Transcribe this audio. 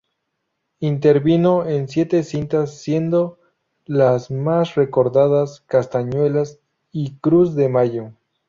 Intervino en siete cintas, siendo las más recordadas "Castañuelas" y "Cruz de mayo".